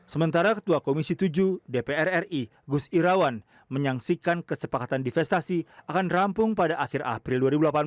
sementara ketua komisi tujuh dpr ri gus irawan menyaksikan kesepakatan divestasi akan rampung pada akhir april dua ribu delapan belas